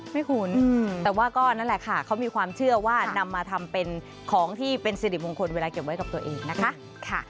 คุ้นแต่ว่าก็นั่นแหละค่ะเขามีความเชื่อว่านำมาทำเป็นของที่เป็นสิริมงคลเวลาเก็บไว้กับตัวเองนะคะ